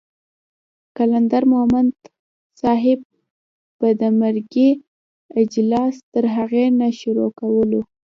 قلندر مومند صاحب به د مرکې اجلاس تر هغې نه شروع کولو